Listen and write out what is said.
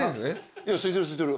いやすいてるすいてる。